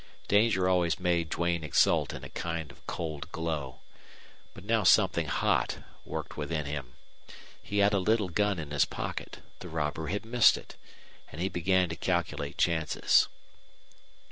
Danger always made Duane exult in a kind of cold glow. But now something hot worked within him. He had a little gun in his pocket. The robber had missed it. And he began to calculate chances.